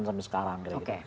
tidak ditemukan sampai sekarang